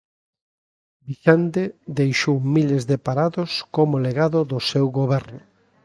Vixande deixou miles de parados como legado do seu Goberno.